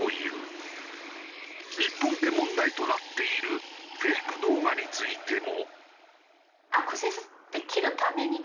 日本で問題となっているフェイク動画についても。